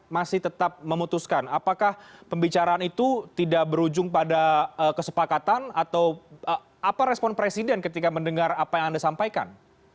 masih tetap memutuskan apakah pembicaraan itu tidak berujung pada kesepakatan atau apa respon presiden ketika mendengar apa yang anda sampaikan